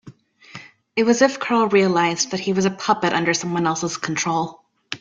It was as if Carl realised that he was a puppet under someone else's control.